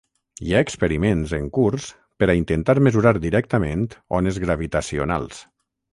Hi ha experiments en curs per a intentar mesurar directament ones gravitacionals.